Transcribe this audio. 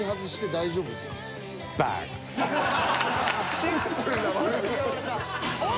シンプルな悪口。